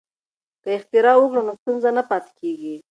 که اختراع وکړو نو ستونزه نه پاتې کیږي.